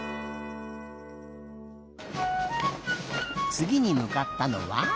つぎにむかったのは。